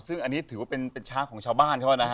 ซึ่งอันนี้ถือว่าเป็นช้างของชาวบ้าน